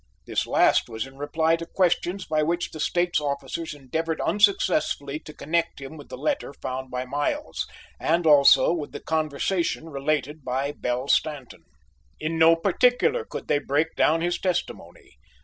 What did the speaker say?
This last was in reply to questions by which the State's officers endeavored unsuccessfully to connect him with the letter found by Miles, as also with the conversation related by Belle Stanton. In no particular could they break down his testimony.